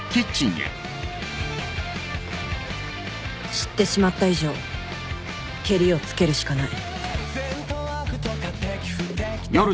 知ってしまった以上けりをつけるしかない